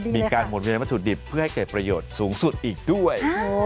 มีการหมุนเวียนวัตถุดิบเพื่อให้เกิดประโยชน์สูงสุดอีกด้วย